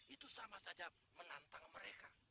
itu sama saja menantang mereka